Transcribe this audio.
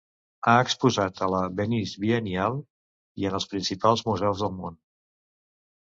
Ha exposat a la Venice Biennial i en els principals museus del món.